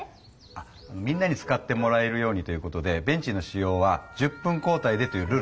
あみんなに使ってもらえるようにということでベンチの使用は１０分交代でというルールになりましたので。